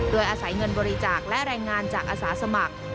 โดยอาศัยเงินบริจาคและแรงงานจากอาสาสมัคร